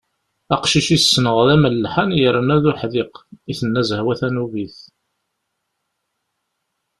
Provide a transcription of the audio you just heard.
Aqcic i ssneɣ d amellḥan yerna d uḥdiq i tenna Zehwa tanubit.